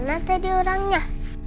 kemana tadi orangnya